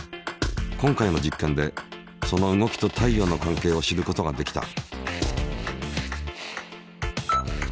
今回の実験でその動きと太陽の関係を知ることができた。